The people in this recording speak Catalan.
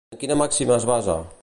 En quina màxima es basa?